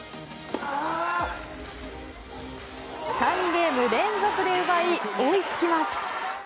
３ゲーム連続で奪い追いつきます。